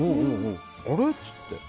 あれ？って言って。